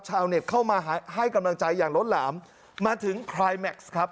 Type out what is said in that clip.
ชาวเน็ตเข้ามาให้กำลังใจอย่างล้นหลามมาถึงคลายแม็กซ์ครับ